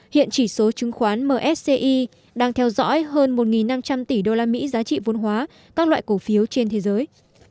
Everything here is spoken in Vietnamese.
hiện chỉ số chứng khoán msci đang theo dõi hơn một năm trăm linh tỷ usd giá trị vôn hóa các loại cổ phiếu trên thế giới